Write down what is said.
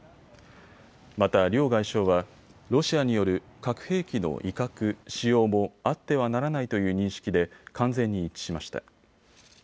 また両外相はロシアによる核兵器の威嚇、使用もあってはならないという認識で完全に一致しました。